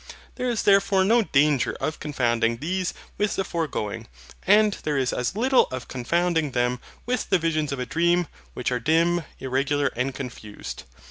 There is therefore no danger of confounding these with the foregoing: and there is as little of confounding them with the visions of a dream, which are dim, irregular, and confused.